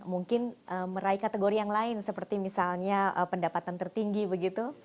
mungkin meraih kategori yang lain seperti misalnya pendapatan tertinggi begitu